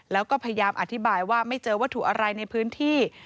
แล้วก็พยายามอธิบายว่าไม่เจอวัตถุอะไรในพื้นที่